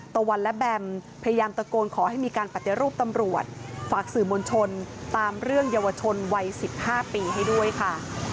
ตะวันและแบมพยายามตะโกนขอให้มีการปฏิรูปตำรวจฝากสื่อมวลชนตามเรื่องเยาวชนวัย๑๕ปีให้ด้วยค่ะ